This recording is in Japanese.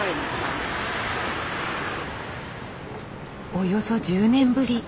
およそ１０年ぶり！